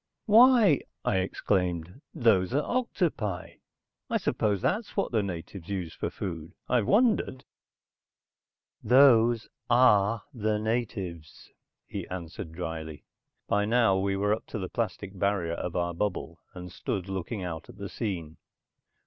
"Why," I exclaimed. "Those are octopi. I suppose that's what the natives use for food? I've wondered." "Those are the natives," he answered, drily. By now we were up to the plastic barrier of our bubble and stood looking out at the scene.